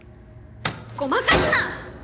ごまかすな！